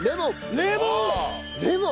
レモン。